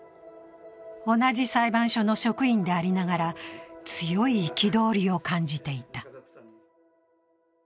同じ裁判所の職員でありながら強い憤りを感じていた。